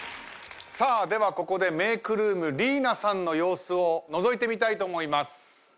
さあではここでメークルームりいなさんの様子をのぞいてみたいと思います。